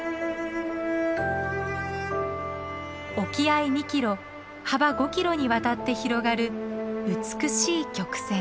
沖合２キロ幅５キロにわたって広がる美しい曲線。